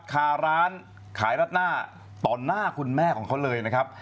คาร้านขายรัดหน้าต่อหน้าคุณแม่ของเขาเลยนะครับ